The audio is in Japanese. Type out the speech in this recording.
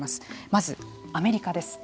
まず、アメリカです。